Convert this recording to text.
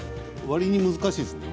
わりに難しいですね。